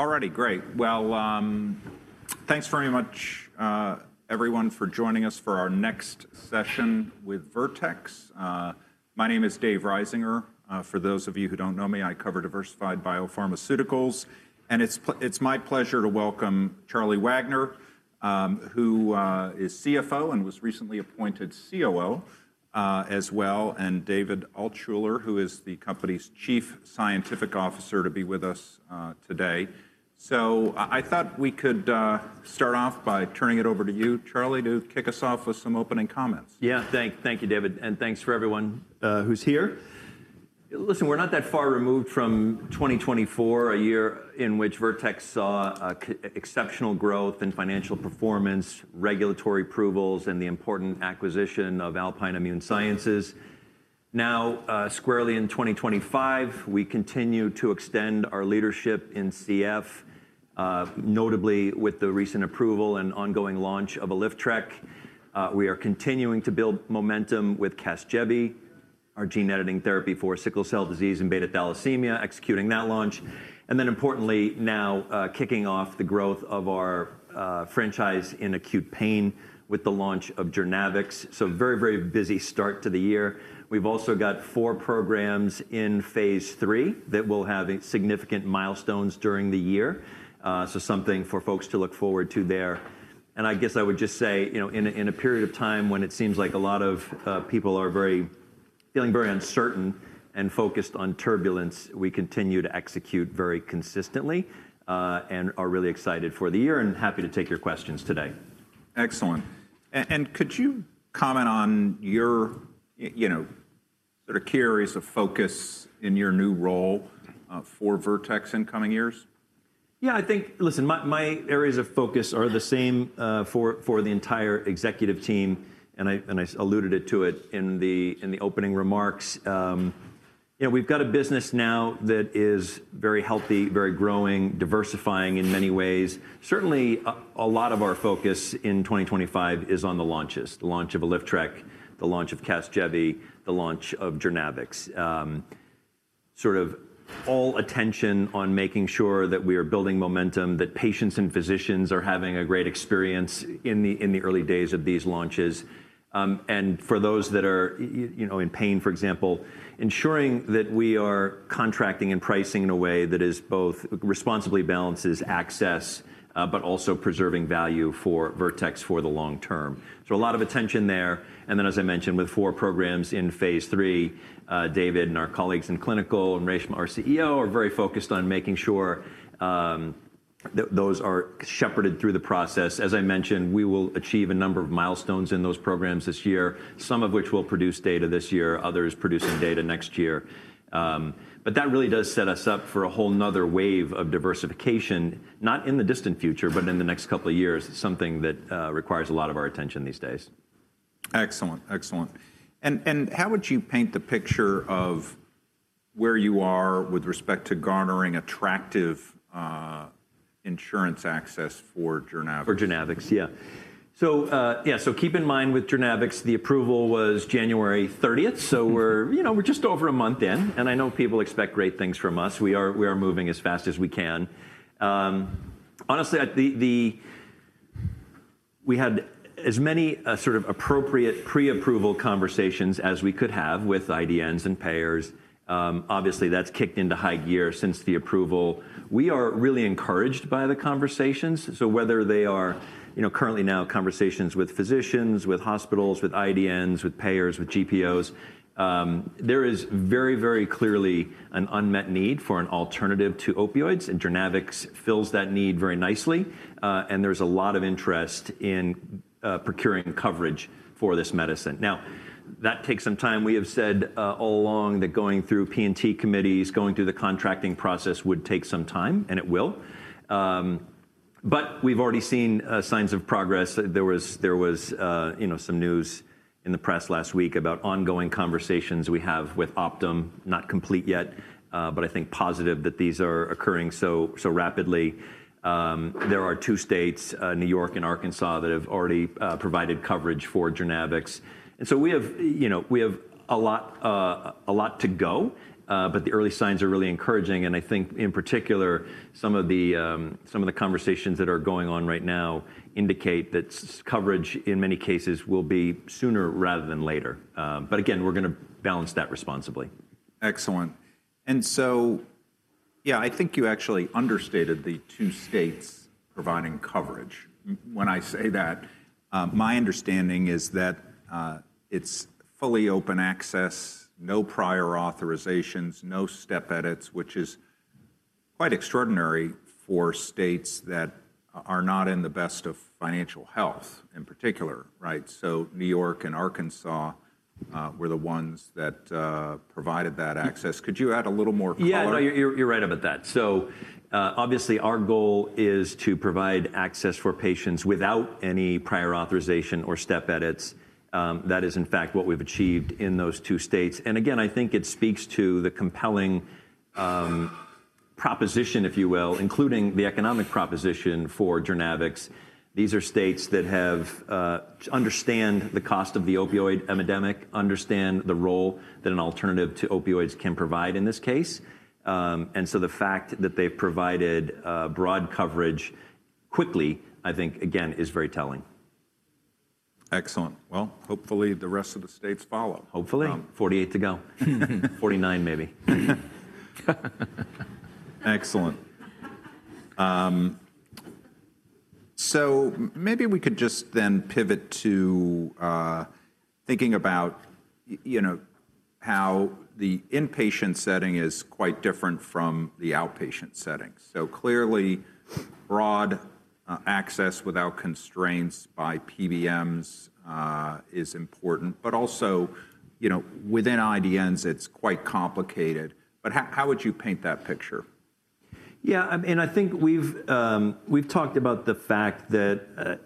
All righty, great. Thanks very much, everyone, for joining us for our next session with Vertex. My name is Dave Risinger. For those of you who do not know me, I cover diversified biopharmaceuticals. It is my pleasure to welcome Charlie Wagner, who is CFO and was recently appointed COO as well, and David Altshuler, who is the company's Chief Scientific Officer, to be with us today. I thought we could start off by turning it over to you, Charlie, to kick us off with some opening comments. Yeah, thank you, David. And thanks for everyone who's here. Listen, we're not that far removed from 2024, a year in which Vertex saw exceptional growth in financial performance, regulatory approvals, and the important acquisition of Alpine Immune Sciences. Now, squarely in 2025, we continue to extend our leadership in CF, notably with the recent approval and ongoing launch of ALYFTREK. We are continuing to build momentum with CASGEVY, our gene editing therapy for sickle cell disease and beta thalassemia, executing that launch. Importantly, now kicking off the growth of our franchise in acute pain with the launch of JOURNAVX. Very, very busy start to the year. We've also got four programs in phase III that will have significant milestones during the year, so something for folks to look forward to there. I guess I would just say, in a period of time when it seems like a lot of people are feeling very uncertain and focused on turbulence, we continue to execute very consistently and are really excited for the year and happy to take your questions today. Excellent. Could you comment on your sort of key areas of focus in your new role for Vertex in coming years? Yeah, I think, listen, my areas of focus are the same for the entire executive team. I alluded to it in the opening remarks. We have a business now that is very healthy, very growing, diversifying in many ways. Certainly, a lot of our focus in 2025 is on the launches, the launch of ALYFTREK, the launch of CASGEVY, the launch of JOURNAVX. All attention on making sure that we are building momentum, that patients and physicians are having a great experience in the early days of these launches. For those that are in pain, for example, ensuring that we are contracting and pricing in a way that responsibly balances access, but also preserves value for Vertex for the long term. A lot of attention there. As I mentioned, with four programs in phase III, David and our colleagues in clinical and Reshma, our CEO, are very focused on making sure that those are shepherded through the process. As I mentioned, we will achieve a number of milestones in those programs this year, some of which will produce data this year, others producing data next year. That really does set us up for a whole nother wave of diversification, not in the distant future, but in the next couple of years, something that requires a lot of our attention these days. Excellent, excellent. How would you paint the picture of where you are with respect to garnering attractive insurance access for JOURNAVX? For JOURNAVX, yeah. So yeah, keep in mind with JOURNAVX, the approval was January 30th. We are just over a month in. I know people expect great things from us. We are moving as fast as we can. Honestly, we had as many sort of appropriate pre-approval conversations as we could have with IDNs and payers. Obviously, that has kicked into high gear since the approval. We are really encouraged by the conversations. Whether they are currently now conversations with physicians, with hospitals, with IDNs, with payers, with GPOs, there is very, very clearly an unmet need for an alternative to opioids. JOURNAVX fills that need very nicely. There is a lot of interest in procuring coverage for this medicine. That takes some time. We have said all along that going through P&T committees, going through the contracting process would take some time, and it will. We have already seen signs of progress. There was some news in the press last week about ongoing conversations we have with Optum, not complete yet, but I think positive that these are occurring so rapidly. There are two states, New York and Arkansas, that have already provided coverage for JOURNAVX. We have a lot to go, but the early signs are really encouraging. I think, in particular, some of the conversations that are going on right now indicate that coverage, in many cases, will be sooner rather than later. Again, we are going to balance that responsibly. Excellent. Yeah, I think you actually understated the two states providing coverage. When I say that, my understanding is that it's fully open access, no prior authorizations, no step edits, which is quite extraordinary for states that are not in the best of financial health in particular, right? New York and Arkansas were the ones that provided that access. Could you add a little more follow-up? Yeah, no, you're right about that. Obviously, our goal is to provide access for patients without any prior authorization or step edits. That is, in fact, what we've achieved in those two states. I think it speaks to the compelling proposition, if you will, including the economic proposition for JOURNAVX. These are states that understand the cost of the opioid epidemic, understand the role that an alternative to opioids can provide in this case. The fact that they've provided broad coverage quickly, I think, again, is very telling. Excellent. Hopefully, the rest of the states follow. Hopefully. Forty-eight to go. Forty-nine, maybe. Excellent. Maybe we could just then pivot to thinking about how the inpatient setting is quite different from the outpatient setting. Clearly, broad access without constraints by PBMs is important. Also, within IDNs, it is quite complicated. How would you paint that picture? Yeah, I mean, I think we've talked about the fact that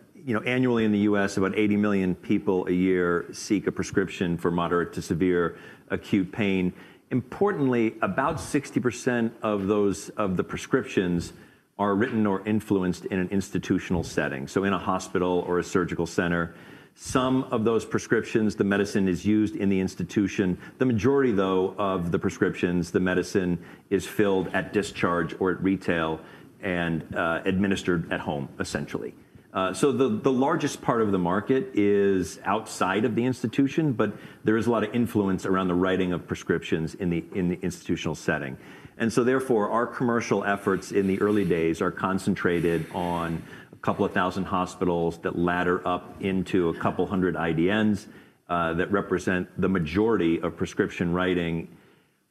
annually in the U.S., about 80 million people a year seek a prescription for moderate to severe acute pain. Importantly, about 60% of those prescriptions are written or influenced in an institutional setting, in a hospital or a surgical center. Some of those prescriptions, the medicine is used in the institution. The majority, though, of the prescriptions, the medicine is filled at discharge or at retail and administered at home, essentially. The largest part of the market is outside of the institution, but there is a lot of influence around the writing of prescriptions in the institutional setting. Therefore, our commercial efforts in the early days are concentrated on a couple of thousand hospitals that ladder up into a couple hundred IDNs that represent the majority of prescription writing.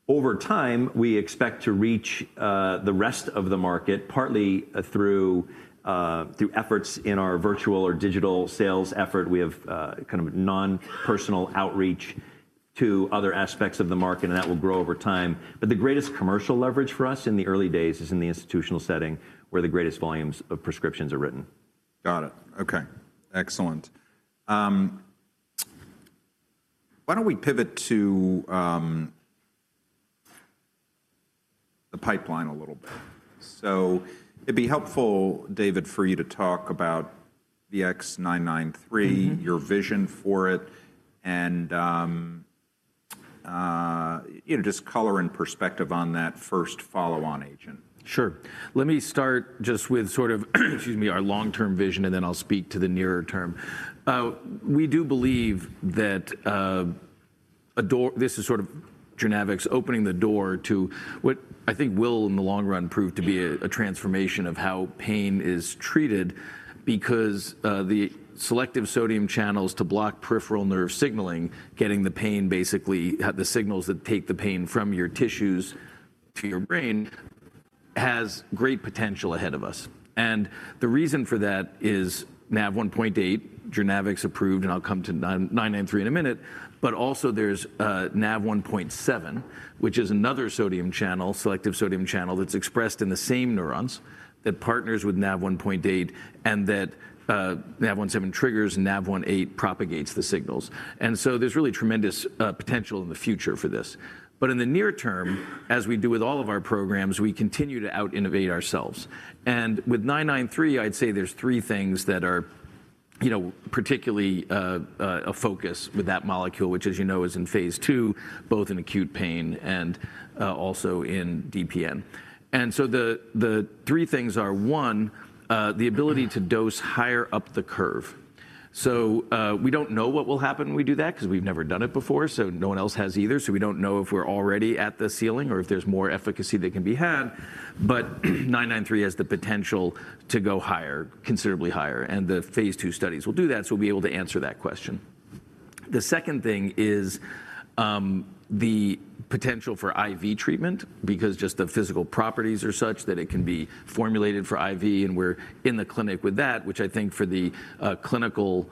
Over time, we expect to reach the rest of the market, partly through efforts in our virtual or digital sales effort. We have kind of non-personal outreach to other aspects of the market, and that will grow over time. The greatest commercial leverage for us in the early days is in the institutional setting, where the greatest volumes of prescriptions are written. Got it. Okay, excellent. Why don't we pivot to the pipeline a little bit? It'd be helpful, David, for you to talk about VX-993, your vision for it, and just color and perspective on that first follow-on agent. Sure. Let me start just with sort of, excuse me, our long-term vision, and then I'll speak to the nearer term. We do believe that this is sort of JOURNAVX opening the door to what I think will, in the long run, prove to be a transformation of how pain is treated because the selective sodium channels to block peripheral nerve signaling, getting the pain basically the signals that take the pain from your tissues to your brain, has great potential ahead of us. The reason for that is NaV1.8, JOURNAVX approved, and I'll come to 993 in a minute. There is also NaV1.7, which is another selective sodium channel that's expressed in the same neurons that partners with NaV1.8 and that NaV1.7 triggers, NaV1.8 propagates the signals. There is really tremendous potential in the future for this. In the near term, as we do with all of our programs, we continue to out-innovate ourselves. With 993, I'd say there are three things that are particularly a focus with that molecule, which, as you know, is in phase II, both in acute pain and also in DPN. The three things are, one, the ability to dose higher up the curve. We do not know what will happen when we do that because we have never done it before. No one else has either. We do not know if we are already at the ceiling or if there is more efficacy that can be had. 993 has the potential to go higher, considerably higher. The phase II studies will do that, so we will be able to answer that question. The second thing is the potential for IV treatment because just the physical properties are such that it can be formulated for IV. We're in the clinic with that, which I think for the clinical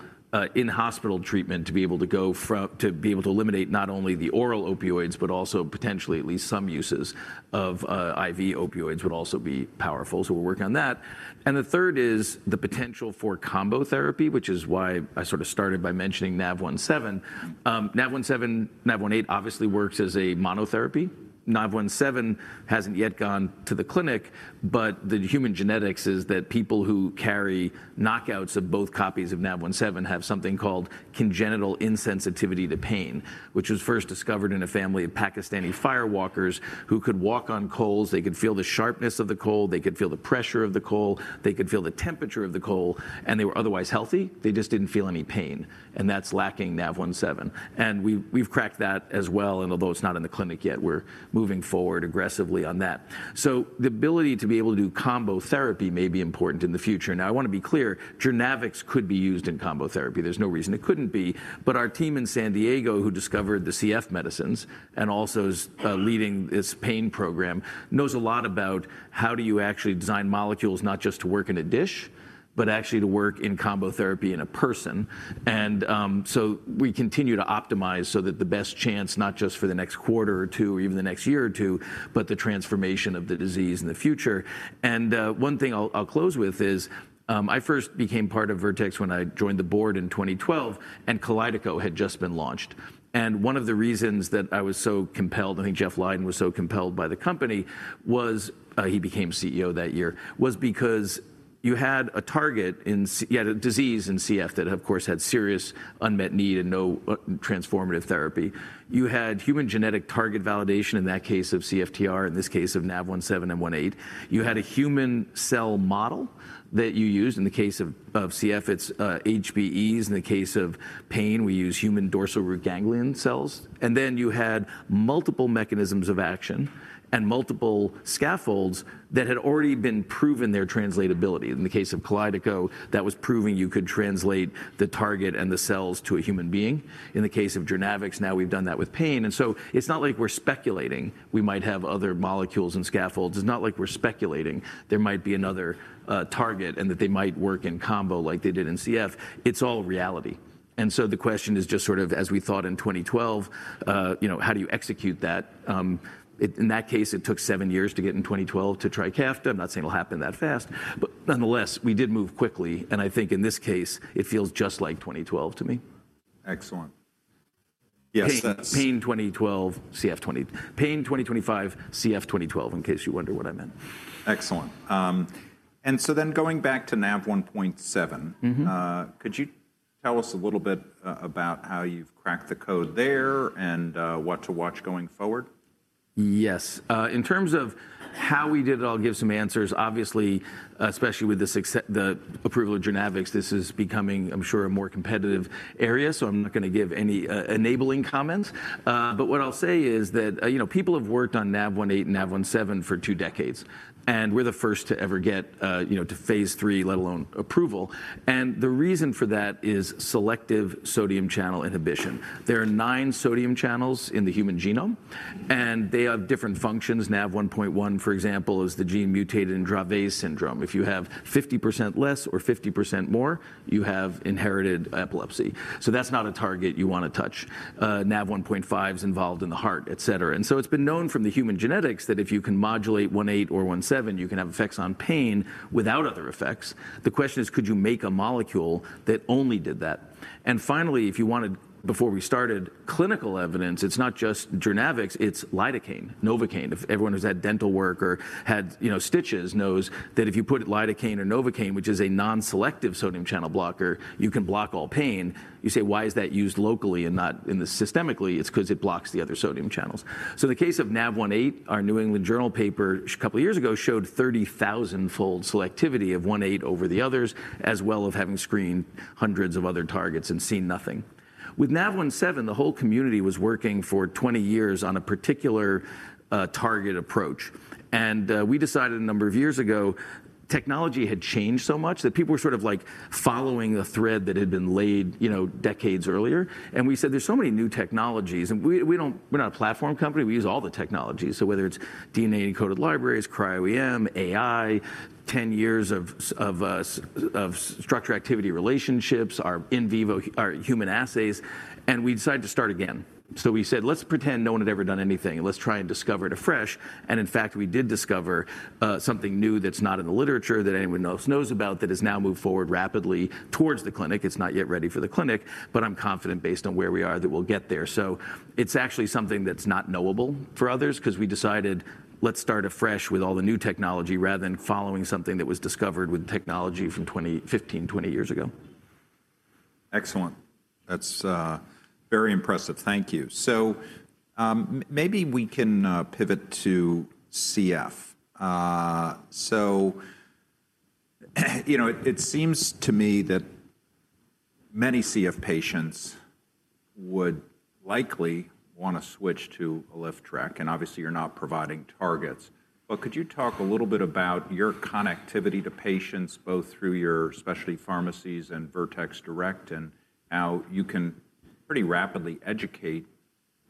in-hospital treatment, to be able to eliminate not only the oral opioids, but also potentially at least some uses of IV opioids would also be powerful. We're working on that. The third is the potential for combo therapy, which is why I sort of started by mentioning NaV1.7. NaV1.7, NaV1.8 obviously works as a monotherapy. NaV1.7 hasn't yet gone to the clinic. The human genetics is that people who carry knockouts of both copies of NaV1.7 have something called congenital insensitivity to pain, which was first discovered in a family of Pakistani firewalkers who could walk on coals. They could feel the sharpness of the coal. They could feel the pressure of the coal. They could feel the temperature of the coal. They were otherwise healthy. They just didn't feel any pain. That is lacking NaV1.7. We've cracked that as well. Although it's not in the clinic yet, we're moving forward aggressively on that. The ability to be able to do combo therapy may be important in the future. I want to be clear, JOURNAVX could be used in combo therapy. There's no reason it couldn't be. Our team in San Diego, who discovered the CF medicines and also is leading this pain program, knows a lot about how you actually design molecules not just to work in a dish, but actually to work in combo therapy in a person. We continue to optimize so that the best chance, not just for the next quarter or two or even the next year or two, but the transformation of the disease in the future. One thing I'll close with is I first became part of Vertex when I joined the board in 2012, and KALYDECO had just been launched. One of the reasons that I was so compelled, I think Jeff Leiden was so compelled by the company when he became CEO that year, was because you had a target and you had a disease in CF that, of course, had serious unmet need and no transformative therapy. You had human genetic target validation, in that case of CFTR, in this case of NaV1.7 and 1.8. You had a human cell model that you used. In the case of CF, it's HBEs. In the case of pain, we use human dorsal root ganglion cells. You had multiple mechanisms of action and multiple scaffolds that had already been proven their translatability. In the case of KALYDECO, that was proving you could translate the target and the cells to a human being. In the case of JOURNAVX, now we've done that with pain. It's not like we're speculating. We might have other molecules and scaffolds. It's not like we're speculating. There might be another target and that they might work in combo like they did in CF. It's all reality. The question is just sort of, as we thought in 2012, how do you execute that? In that case, it took seven years to get in 2012 to TRIKAFTA. I'm not saying it'll happen that fast. Nonetheless, we did move quickly. I think in this case, it feels just like 2012 to me. Excellent. Pain 2012, CF 2020. Pain 2025, CF 2012, in case you wonder what I meant. Excellent. Going back to NaV1.7, could you tell us a little bit about how you've cracked the code there and what to watch going forward? Yes. In terms of how we did it, I'll give some answers. Obviously, especially with the approval of JOURNAVX, this is becoming, I'm sure, a more competitive area. I am not going to give any enabling comments. What I'll say is that people have worked on NaV1.8 and NaV1.7 for two decades. We are the first to ever get to phase III, let alone approval. The reason for that is selective sodium channel inhibition. There are nine sodium channels in the human genome, and they have different functions. NaV1.1, for example, is the gene mutated in Dravet syndrome. If you have 50% less or 50% more, you have inherited epilepsy. That is not a target you want to touch. NaV1.5 is involved in the heart, et cetera. It has been known from the human genetics that if you can modulate 1.8 or 1.7, you can have effects on pain without other effects. The question is, could you make a molecule that only did that? If you wanted, before we started, clinical evidence, it is not just JOURNAVX. It is lidocaine, Novocain. Everyone who has had dental work or had stitches knows that if you put lidocaine or Novocain, which is a non-selective sodium channel blocker, you can block all pain. You say, why is that used locally and not systemically? It is because it blocks the other sodium channels. In the case of NaV1.8, our New England Journal paper a couple of years ago showed 30,000-fold selectivity of 1.8 over the others, as well as having screened hundreds of other targets and seen nothing. With NaV1.7, the whole community was working for 20 years on a particular target approach. We decided a number of years ago, technology had changed so much that people were sort of like following the thread that had been laid decades earlier. We said, there are so many new technologies. We are not a platform company. We use all the technologies, whether it is DNA encoded libraries, cryo-EM, AI, 10 years of structure activity relationships, our in vivo human assays. We decided to start again. We said, let's pretend no one had ever done anything. Let's try and discover it afresh. In fact, we did discover something new that is not in the literature that anyone else knows about that has now moved forward rapidly towards the clinic. It is not yet ready for the clinic. I am confident, based on where we are, that we will get there. It's actually something that's not knowable for others because we decided, let's start afresh with all the new technology rather than following something that was discovered with technology from 2015, 20 years ago. Excellent. That's very impressive. Thank you. Maybe we can pivot to CF. It seems to me that many CF patients would likely want to switch to ALYFTREK. Obviously, you're not providing targets. Could you talk a little bit about your connectivity to patients, both through your specialty pharmacies and Vertex Direct, and how you can pretty rapidly educate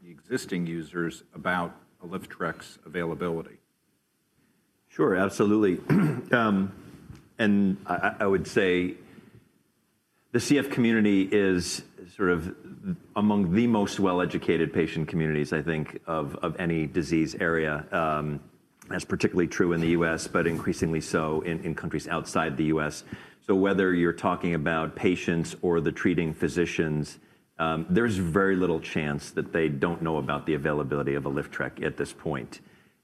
the existing users about ALYFTREK's availability? Sure, absolutely. I would say the CF community is sort of among the most well-educated patient communities, I think, of any disease area. That is particularly true in the U.S., but increasingly so in countries outside the U.S. Whether you are talking about patients or the treating physicians, there is very little chance that they do not know about the availability of ALYFTREK at this point.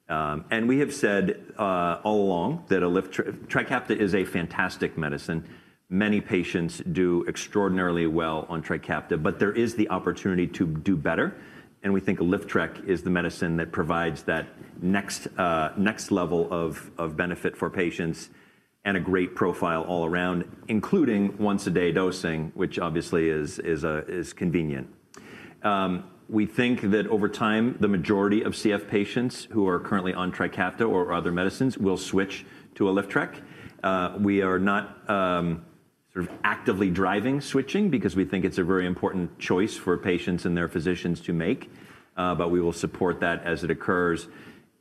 We have said all along that ALYFTREK, TRIKAFTA is a fantastic medicine. Many patients do extraordinarily well on TRIKAFTA. There is the opportunity to do better. We think ALYFTREK is the medicine that provides that next level of benefit for patients and a great profile all around, including once-a-day dosing, which obviously is convenient. We think that over time, the majority of CF patients who are currently on TRIKAFTA or other medicines will switch to ALYFTREK. We are not sort of actively driving switching because we think it's a very important choice for patients and their physicians to make. We will support that as it occurs.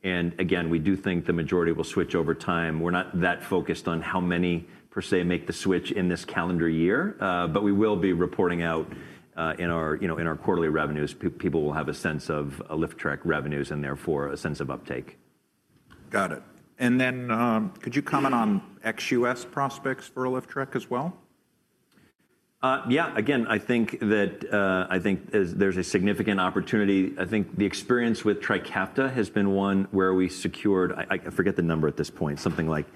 Again, we do think the majority will switch over time. We're not that focused on how many, per se, make the switch in this calendar year. We will be reporting out in our quarterly revenues. People will have a sense of ALYFTREK revenues and therefore a sense of uptake. Got it. Could you comment on ex-US prospects for ALYFTREK as well? Yeah. Again, I think there's a significant opportunity. I think the experience with TRIKAFTA has been one where we secured, I forget the number at this point, something like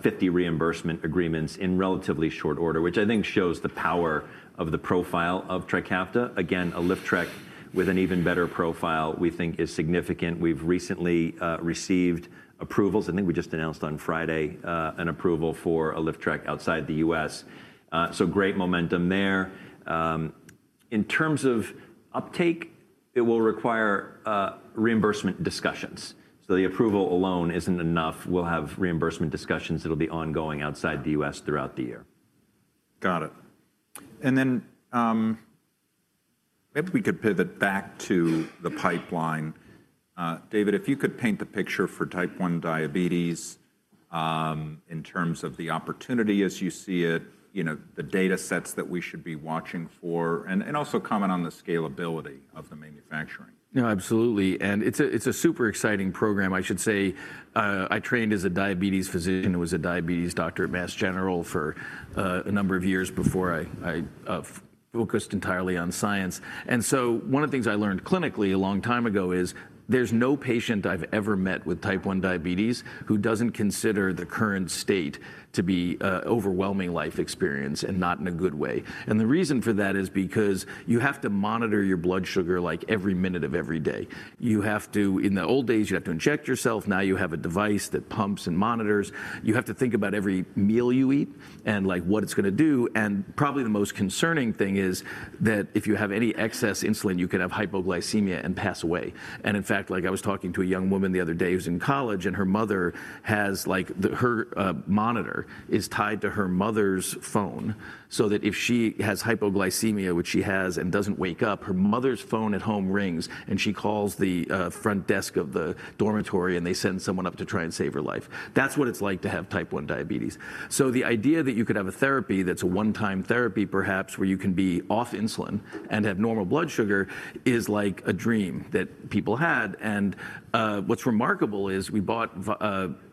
50 reimbursement agreements in relatively short order, which I think shows the power of the profile of TRIKAFTA. Again, ALYFTREK with an even better profile, we think, is significant. We've recently received approvals. I think we just announced on Friday an approval for ALYFTREK outside the U.S. Great momentum there. In terms of uptake, it will require reimbursement discussions. The approval alone isn't enough. We'll have reimbursement discussions that will be ongoing outside the U.S. throughout the year. Got it. Maybe we could pivot back to the pipeline. David, if you could paint the picture for Type 1 diabetes in terms of the opportunity as you see it, the data sets that we should be watching for, and also comment on the scalability of the manufacturing. No, absolutely. It is a super exciting program. I should say I trained as a diabetes physician and was a diabetes doctor Mass General for a number of years before I focused entirely on science. One of the things I learned clinically a long time ago is there is no patient I have ever met with Type 1 diabetes who does not consider the current state to be an overwhelming life experience and not in a good way. The reason for that is because you have to monitor your blood sugar like every minute of every day. In the old days, you had to inject yourself. Now you have a device that pumps and monitors. You have to think about every meal you eat and what it is going to do. Probably the most concerning thing is that if you have any excess insulin, you could have hypoglycemia and pass away. In fact, like I was talking to a young woman the other day who's in college, and her mother has her monitor tied to her mother's phone so that if she has hypoglycemia, which she has and doesn't wake up, her mother's phone at home rings, and she calls the front desk of the dormitory, and they send someone up to try and save her life. That's what it's like to have Type 1 diabetes. The idea that you could have a therapy that's a one-time therapy, perhaps, where you can be off insulin and have normal blood sugar is like a dream that people had. What's remarkable is we bought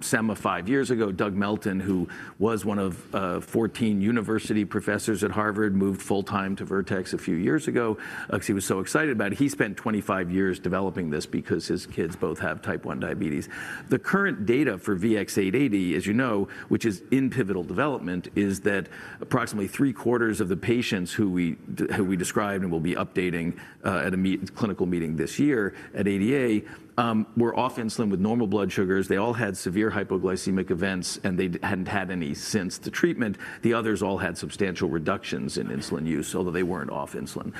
Semma five years ago. Doug Melton, who was one of 14 university professors at Harvard, moved full-time to Vertex a few years ago because he was so excited about it. He spent 25 years developing this because his kids both have Type 1 diabetes. The current data for VX-880, as you know, which is in pivotal development, is that approximately 3/4 of the patients who we described and will be updating at a clinical meeting this year at ADA were off insulin with normal blood sugars. They all had severe hypoglycemic events, and they hadn't had any since the treatment. The others all had substantial reductions in insulin use, although they weren't off insulin.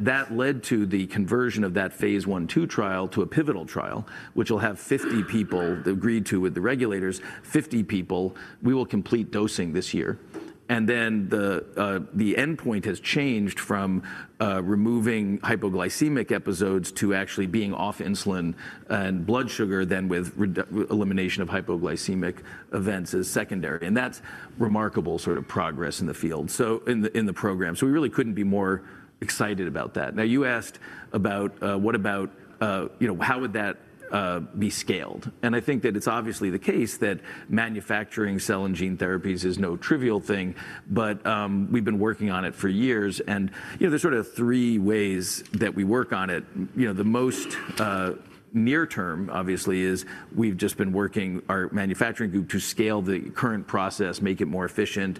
That led to the conversion of that phase I/II trial to a pivotal trial, which will have 50 people that agreed to with the regulators, 50 people. We will complete dosing this year. The endpoint has changed from removing hypoglycemic episodes to actually being off insulin and blood sugar, then with elimination of hypoglycemic events as secondary. That is remarkable sort of progress in the field, in the program. We really could not be more excited about that. You asked about how would that be scaled. I think that it is obviously the case that manufacturing cell and gene therapies is no trivial thing. We have been working on it for years. There are sort of three ways that we work on it. The most near term, obviously, is we have just been working our manufacturing group to scale the current process, make it more efficient.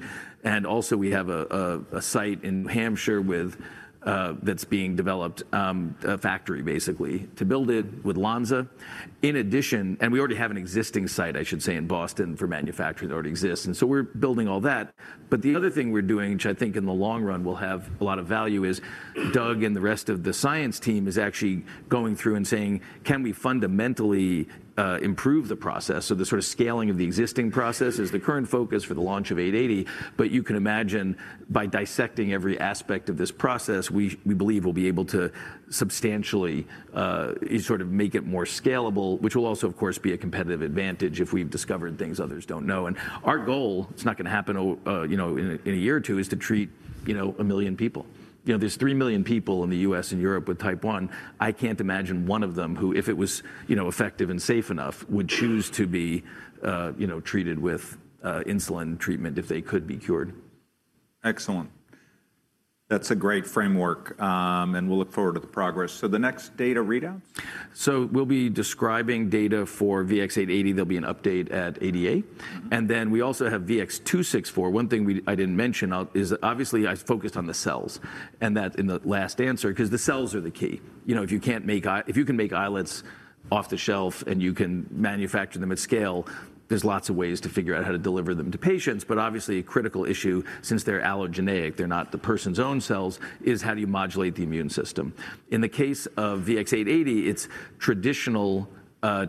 Also, we have a site in New Hampshire that is being developed, a factory, basically, to build it with Lonza. In addition, we already have an existing site, I should say, in Boston for manufacturing that already exists. We're building all that. The other thing we're doing, which I think in the long run will have a lot of value, is Doug and the rest of the science team is actually going through and saying, can we fundamentally improve the process? The sort of scaling of the existing process is the current focus for the launch of 880. You can imagine by dissecting every aspect of this process, we believe we'll be able to substantially sort of make it more scalable, which will also, of course, be a competitive advantage if we've discovered things others don't know. Our goal, it's not going to happen in a year or two, is to treat a million people. There's 3 million people in the U.S. and Europe with Type 1. I can't imagine one of them who, if it was effective and safe enough, would choose to be treated with insulin treatment if they could be cured. Excellent. That's a great framework. We will look forward to the progress. The next data readouts? We'll be describing data for VX-880. There'll be an update at ADA. And then we also have VX-264. One thing I didn't mention is, obviously, I focused on the cells. And that's in the last answer because the cells are the key. If you can't make islets off the shelf and you can manufacture them at scale, there's lots of ways to figure out how to deliver them to patients. Obviously, a critical issue, since they're allogeneic, they're not the person's own cells, is how do you modulate the immune system? In the case of VX-880, it's traditional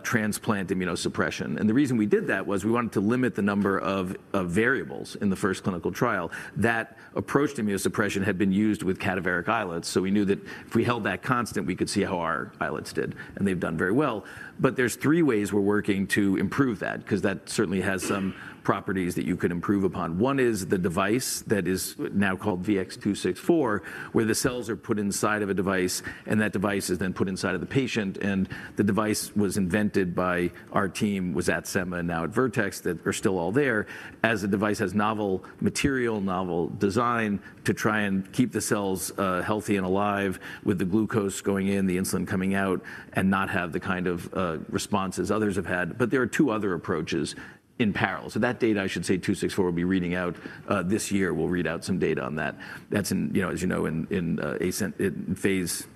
transplant immunosuppression. The reason we did that was we wanted to limit the number of variables in the first clinical trial. That approach to immunosuppression had been used with cadaveric islets. We knew that if we held that constant, we could see how our islets did. They've done very well. There are three ways we're working to improve that because that certainly has some properties that you could improve upon. One is the device that is now called VX-264, where the cells are put inside of a device. That device is then put inside of the patient. The device was invented by our team, who was at Semma and now at Vertex, and they are still all there, as the device has novel material and novel design to try and keep the cells healthy and alive with the glucose going in, the insulin coming out, and not have the kind of responses others have had. There are two other approaches in parallel. That data, I should say, VX-264, will be reading out this year. We'll read out some data on that. That's, as you know, in phase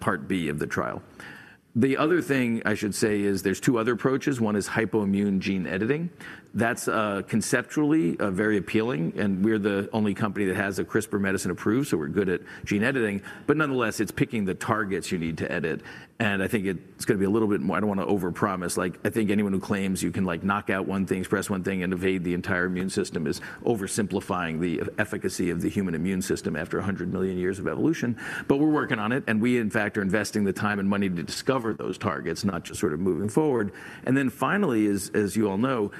part B of the trial. The other thing I should say is there's two other approaches. One is hypoimmune gene editing. That's conceptually very appealing. We're the only company that has a CRISPR medicine approved. We're good at gene editing. Nonetheless, it's picking the targets you need to edit. I think it's going to be a little bit more, I don't want to overpromise. I think anyone who claims you can knock out one thing, suppress one thing, and evade the entire immune system is oversimplifying the efficacy of the human immune system after 100 million years of evolution. We're working on it. We, in fact, are investing the time and money to discover those targets, not just sort of moving forward. Finally, as you all know,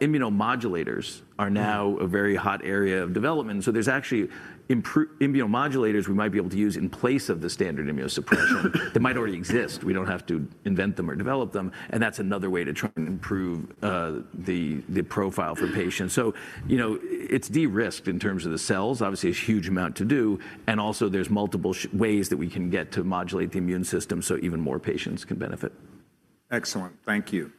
immunomodulators are now a very hot area of development. There are actually immunomodulators we might be able to use in place of the standard immunosuppression that might already exist. We do not have to invent them or develop them. That is another way to try and improve the profile for patients. It is de-risked in terms of the cells. Obviously, a huge amount to do. Also, there are multiple ways that we can get to modulate the immune system so even more patients can benefit. Excellent. Thank you.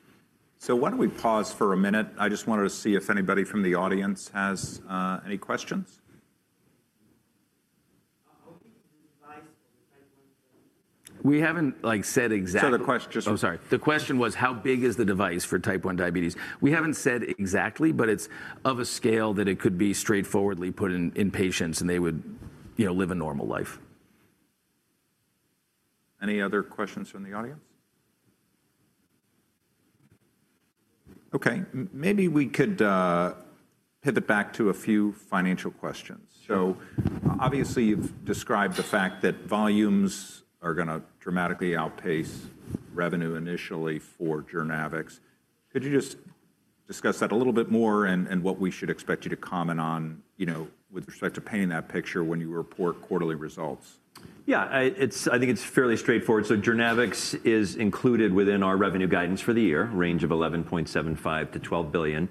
Why don't we pause for a minute? I just wanted to see if anybody from the audience has any questions. We haven't said exactly. So, the question is. I'm sorry. The question was, how big is the device for Type 1 diabetes? We haven't said exactly, but it's of a scale that it could be straightforwardly put in patients and they would live a normal life. Any other questions from the audience? Okay. Maybe we could pivot back to a few financial questions. Obviously, you've described the fact that volumes are going to dramatically outpace revenue initially for JOURNAVX. Could you just discuss that a little bit more and what we should expect you to comment on with respect to painting that picture when you report quarterly results? Yeah. I think it's fairly straightforward. JOURNAVX is included within our revenue guidance for the year, range of $11.75 billion-$12 billion.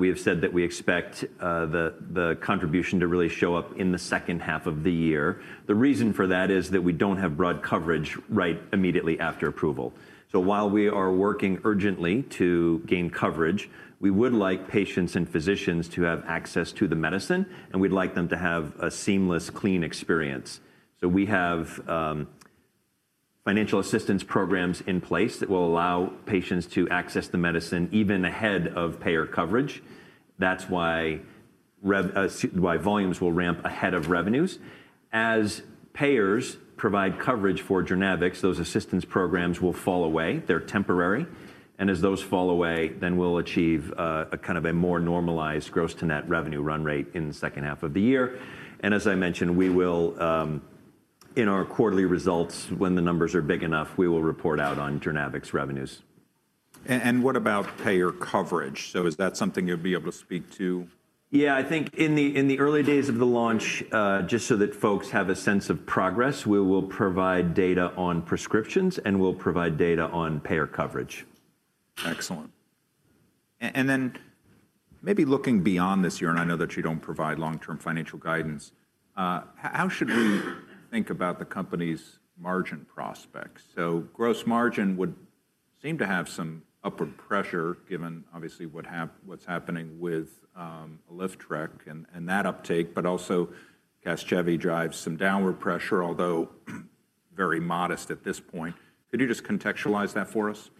We have said that we expect the contribution to really show up in the second half of the year. The reason for that is that we do not have broad coverage right immediately after approval. While we are working urgently to gain coverage, we would like patients and physicians to have access to the medicine. We'd like them to have a seamless, clean experience. We have financial assistance programs in place that will allow patients to access the medicine even ahead of payer coverage. That's why volumes will ramp ahead of revenues. As payers provide coverage for generics, those assistance programs will fall away. They're temporary. As those fall away, we will achieve a kind of a more normalized gross-to-net revenue run rate in the second half of the year. As I mentioned, in our quarterly results, when the numbers are big enough, we will report out on JOURNAVX revenues. What about payer coverage? Is that something you'll be able to speak to? Yeah. I think in the early days of the launch, just so that folks have a sense of progress, we will provide data on prescriptions, and we'll provide data on payer coverage. Excellent. Maybe looking beyond this year, and I know that you do not provide long-term financial guidance, how should we think about the company's margin prospects? Gross margin would seem to have some upward pressure given, obviously, what is happening with ALYFTREK and that uptake, but also CASGEVY drives some downward pressure, although very modest at this point. Could you just contextualize that for us?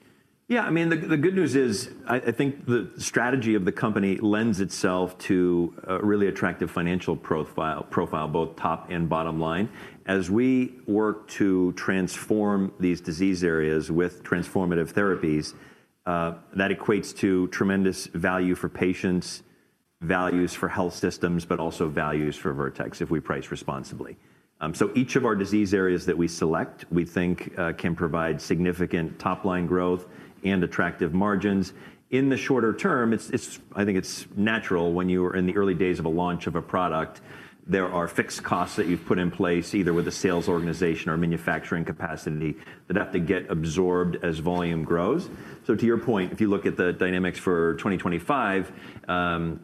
Yeah. I mean, the good news is I think the strategy of the company lends itself to a really attractive financial profile, both top and bottom line. As we work to transform these disease areas with transformative therapies, that equates to tremendous value for patients, values for health systems, but also values for Vertex if we price responsibly. Each of our disease areas that we select, we think, can provide significant top-line growth and attractive margins. In the shorter term, I think it's natural when you are in the early days of a launch of a product, there are fixed costs that you've put in place either with a sales organization or manufacturing capacity that have to get absorbed as volume grows. To your point, if you look at the dynamics for 2025, the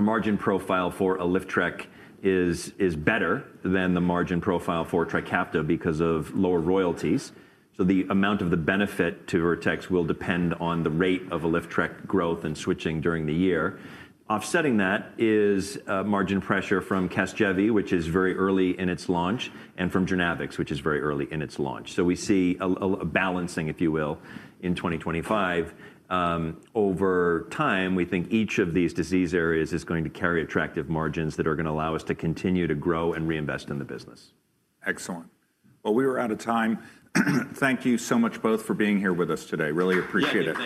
margin profile for ALYFTREK is better than the margin profile for TRIKAFTA because of lower royalties. The amount of the benefit to Vertex will depend on the rate of ALYFTREK growth and switching during the year. Offsetting that is margin pressure from CASGEVY, which is very early in its launch, and from generics, which is very early in its launch. We see a balancing, if you will, in 2025. Over time, we think each of these disease areas is going to carry attractive margins that are going to allow us to continue to grow and reinvest in the business. Excellent. We are out of time. Thank you so much both for being here with us today. Really appreciate it.